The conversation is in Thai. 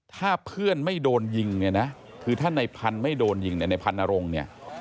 ถ้าเพื่อนไม่โดนยิงเนี่ยนะคือถ้าในพันธุ์ไม่โดนยิงเนี่ยในพันนรงค์เนี่ย